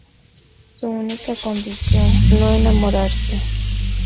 Su única condición: no enamorarse.